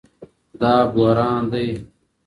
دا بحران دئ